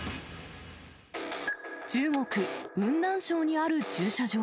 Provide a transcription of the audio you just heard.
中国・雲南省にある駐車場。